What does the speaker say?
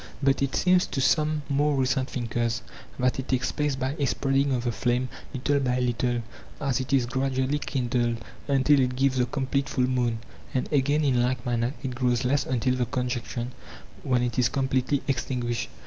But it seems to some more recent thinkers that it takes place by a spreading of the flame little by little as it is gradually kindled, until it gives the com plete full moon, and again, in like manner, it grows less until the conjunction, when it is completely extin guished.